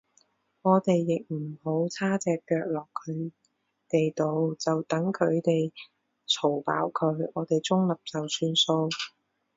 我哋亦唔好叉隻腳落佢哋度，就等佢哋嘈飽佢，我哋中立就算數